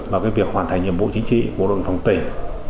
vào việc hoàn thành nhiệm vụ chính trị của bộ đội biên phòng tỉnh